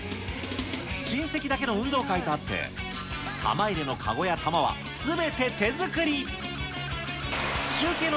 親戚だけの運動会とあって、玉入れの籠や玉はすべて手作り。